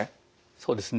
そうですね。